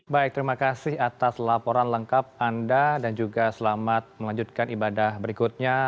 baik terima kasih atas laporan lengkap anda dan juga selamat melanjutkan ibadah berikutnya